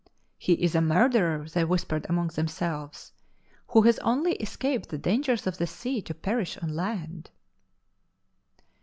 " He is a murderer," they whispered amongst themselves, " who has only escaped the dangers of the sea to perish on land."